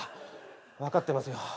分かってますよ。